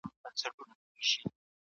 ډیپلوماسي باید د ملي ګټو پر بنسټ وي.